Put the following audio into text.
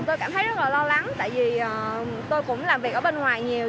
tôi cảm thấy rất là lo lắng tại vì tôi cũng làm việc ở bên ngoài nhiều